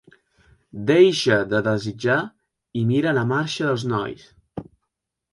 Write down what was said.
Deixa de desitjar i mira la marxa dels nois.